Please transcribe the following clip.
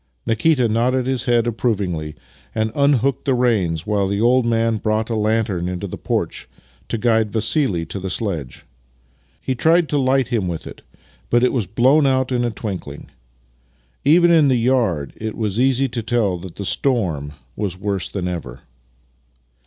Nikita nodded his head approvingly and unhooked the reins, while the old man brought a lantern into the porch to guide Vassili to the sledge. He tried to hght him with it, but it was blown out in a twinkling. Even in the yard it was easy to tell that the storm was worse than ever.